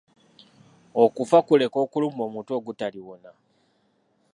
Okufa kuleka okulumwa omutwe ogutaliwona.